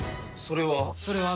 それは。